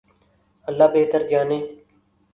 اللہ بہتر جانے۔